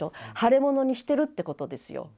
腫れ物にしてるってことですよ。